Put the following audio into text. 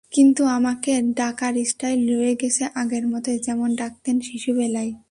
কিন্তু আমাকে ডাকার স্টাইল রয়ে গেছে আগের মতোই, যেমন ডাকতেন শিশুবেলায়।